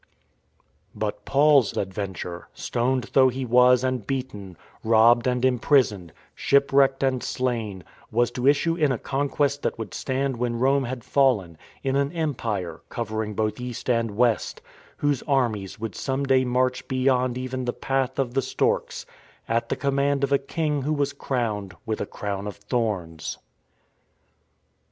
But Paul's Adventure, stoned though he was and beaten, robbed and imprisoned, shipwrecked and slain, was to issue in a conquest that would stand when Rome had fallen; — in an Empire covering both East and West — whose armies would some day march be yond even the Path of the Storks at the command of a King who was crowned with a Crown of Thorns.